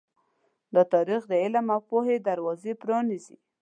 دا تاریخ د علم او پوهې دروازې پرانیزي.